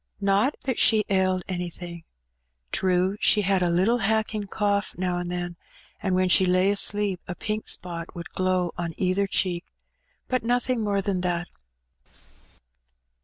Not that she ailed anything. True, she had a little hacking cough now and then, and when she lay asleep a pink spot would glow on either cheek; but nothing more than that.